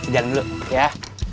jalan dulu ya